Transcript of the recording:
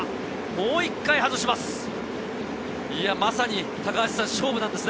もう１回外します。